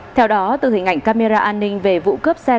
theo đó từ hình ảnh camera an ninh về vụ cướp xe